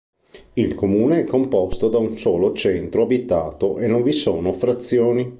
Il comune è composto da un solo centro abitato e non vi sono frazioni.